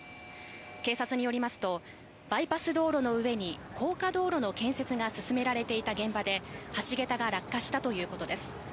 警察によりますとバイパス道路の上に高架道路の建設が進められていた現場で橋桁が落下したということです。